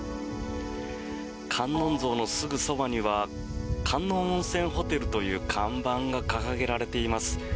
観音像のすぐそばには観音温泉ホテルという看板が掲げられています。